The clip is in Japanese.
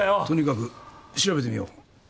とにかく調べてみよう。